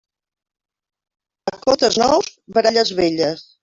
A contes nous, baralles velles.